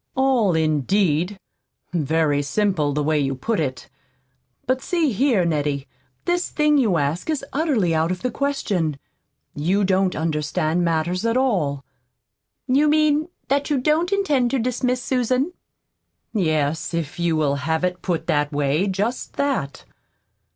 "All, indeed! Very simple, the way you put it. But see here, Nettie, this thing you ask is utterly out of the question. You don't understand matters at all." "You mean that you don't intend to dismiss Susan?" "Yes, if you will have it put that way just that."